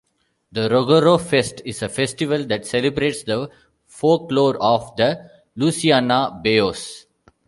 The Rougarou Fest is a festival that celebrates the folklore of the Louisiana bayous.